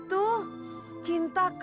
ya eh tidak